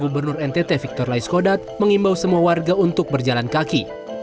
gubernur ntt victor laiskodat mengimbau semua warga untuk berjalan kaki